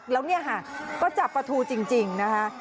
แล้วเนี่ยค่ะก็จับปลาทูจริงนะคะ